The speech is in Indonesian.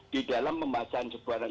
di dalam pembahasan sebuah rencana